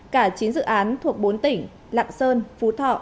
cả chín dự án thuộc bốn tỉnh lạng sơn phú thọ